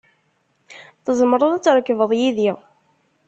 Tzemreḍ ad trekbeḍ yid-i.